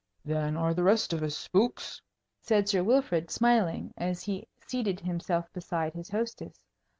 "Then are the rest of us spooks?" said Sir Wilfrid, smiling, as he seated himself beside his hostess.